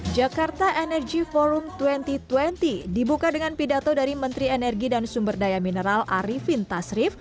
jakarta energy forum dua ribu dua puluh dibuka dengan pidato dari menteri energi dan sumber daya mineral arifin tasrif